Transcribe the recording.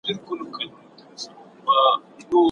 د څېړونکي فکر له نورو منظم وي.